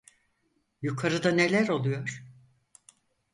Yukarıda neler oluyor?